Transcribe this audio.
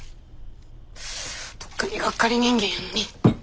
とっくにがっかり人間やのに。